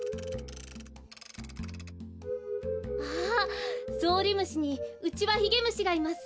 ああゾウリムシにウチワヒゲムシがいます。